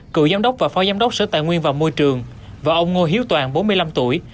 cựu giám đốc và phó giám đốc sở tài nguyên và môi trường và ông ngô hiếu toàn bốn mươi năm tuổi